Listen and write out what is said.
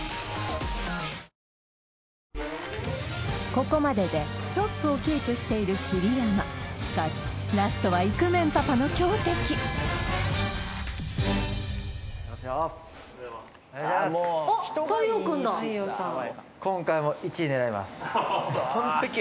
ここまででトップをキープしている桐山しかしラストはイクメンパパの強敵いきますよ